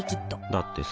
だってさ